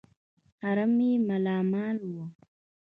حرم یې مالامال وو.